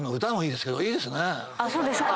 そうですか！